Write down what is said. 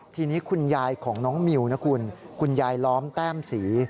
ทีนี้คุณยายของน้องมิวนะคุณคุณยายล้อมแต้มศรี